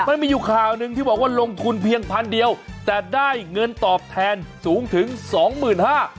มันมีอยู่ข่าวหนึ่งที่บอกว่าลงทุนเพียงพันเดียวแต่ได้เงินตอบแทนสูงถึงสองหมื่นห้า